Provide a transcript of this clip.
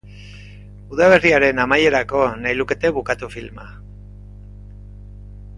Udaberriaren amaierako nahi lukete bukatu filma.